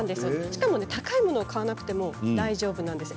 しかも高いものを買わなくても大丈夫なんです。